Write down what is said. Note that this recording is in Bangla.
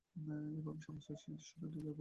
এই ভাবে সমস্ত শিষ্যদের ডেকে বললেন আমার শিক্ষা শেষ।